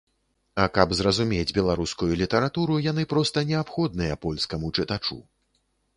А каб зразумець беларускую літаратуру, яны проста неабходныя польскаму чытачу.